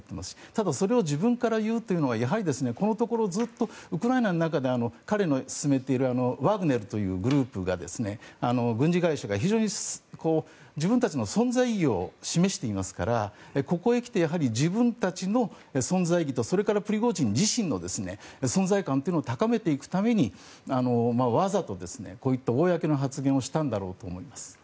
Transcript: ただそれを自分から言うのはこのところウクライナの中で彼の進めているワグネルという軍事会社が非常に自分たちの存在意義を示していますからここへきて、やはり自分たちの存在意義とプリゴジン自身の存在感というのを高めていくためにわざとこういった公の発言をしたんだろうと思います。